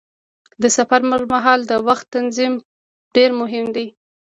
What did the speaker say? د سفر پر مهال د وخت تنظیم ډېر مهم دی.